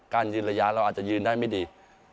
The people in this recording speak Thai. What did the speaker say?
ยืนระยะเราอาจจะยืนได้ไม่ดี